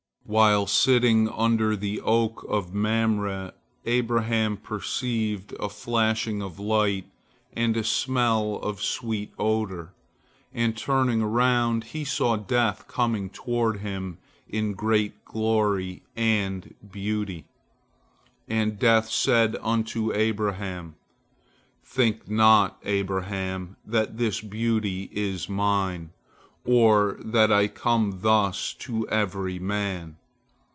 While sitting under the oak of Mamre, Abraham perceived a flashing of light and a smell of sweet odor, and turning around he saw Death coming toward him in great glory and beauty. And Death said unto Abraham: "Think not, Abraham, that this beauty is mine, or that I come thus to every man.